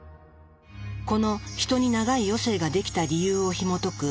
このヒトに長い余生ができた理由をひもとく